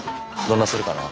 どんなするかな。